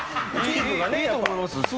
いいと思います。